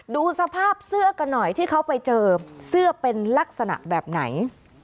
ดูสภาพเสื้อกันหน่อยที่เขาไปเจอเสื้อเป็นลักษณะแบบไหน